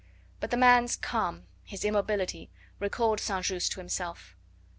But the man's calm, his immobility, recalled St. Just to himself.